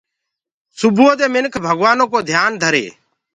سبو سوير مِنک ڀگوآنو ڪو ڌيآن ڌري۔